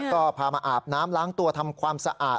ก็พามาอาบน้ำล้างตัวทำความสะอาด